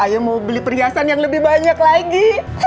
yang mau beli perhiasan yang lebih banyak lagi